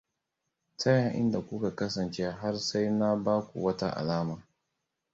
Tsaya inda kuka kasance har sai na baku wata alama.